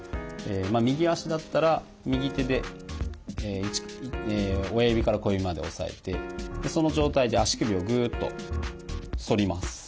右足だったら右手で親指から小指まで押さえてその状態で足首をグッと反ります。